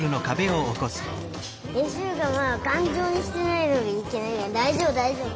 しうがまだがんじょうにしてないのがいけないからだいじょうぶだいじょうぶ。